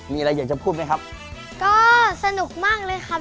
มีอะไรอยากจะพูดไหมครับก็สนุกมากเลยครับ